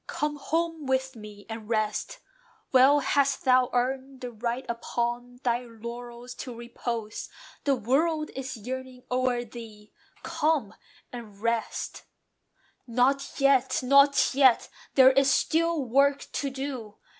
"Come home with me, and rest: well hast thou earned The right upon thy laurels to repose: The world is yearning o'er thee: Come and rest!" "Not yet! not yet! There is still work to do.